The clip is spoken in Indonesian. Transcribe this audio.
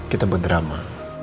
kita buat drama